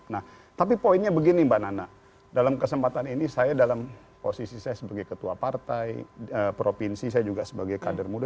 nah tapi poinnya begini mbak nana dalam kesempatan ini saya dalam posisi saya sebagai ketua partai provinsi saya juga sebagai kader muda